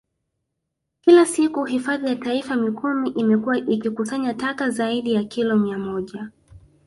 Kila siku Hifadhi ya Taifa Mikumi imekuwa ikikusanya taka zaidi ya kilo mia moja